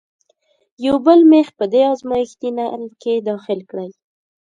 یو بل میخ په دې ازمیښتي نل کې داخل کړئ.